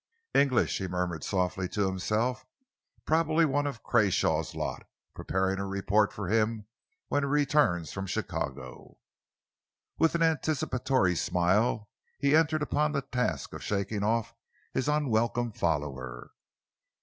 "English," he murmured softly to himself. "Probably one of Crawshay's lot, preparing a report for him when he returns from Chicago." With an anticipatory smile, he entered upon the task of shaking off his unwelcome follower.